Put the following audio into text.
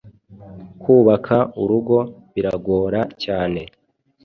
kubaka urugo birabagora cyane